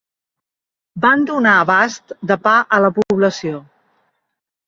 Van donar abast de pa a la població.